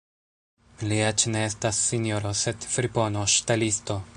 Li eĉ ne estas sinjoro, sed fripono, ŝtelisto!